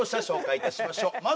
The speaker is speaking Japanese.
紹介いたしましょう